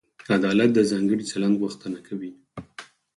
عدالت د ځانګړي چلند غوښتنه کوي.